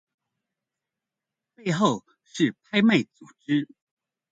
背後是拍賣組織